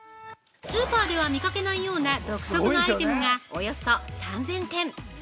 スーパーでは見かけないような独特のアイテムがおよそ３０００点。